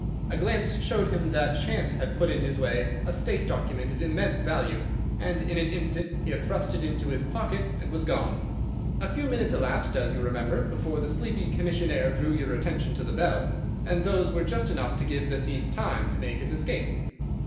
A glance showed him that chance had put in his way a State document of immense value, and in an instant he had thrust it into his pocket and was gone. A few minutes elapsed, as you remember, before the sleepy commissionnaire drew your attention to the bell, and those were just enough to give the thief time to make his escape.